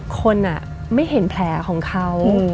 คนไม่เห็นแผลของเขา